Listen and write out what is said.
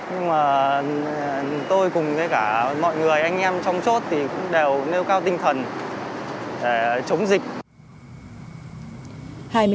nhưng mà tôi cùng với cả mọi người anh em trong chốt thì cũng đều nêu cao tinh thần để chống dịch